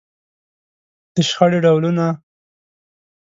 د شخړې ډولونه.